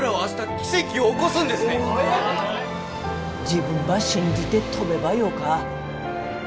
自分ば信じて飛べばよか。